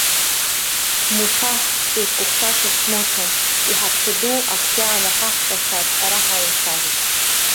Муса, сызкәыхшаша смоҭа, иҳаԥшьа ду ахҩа анахаҳҟьаша аҿҳәара ҳалацәажәап.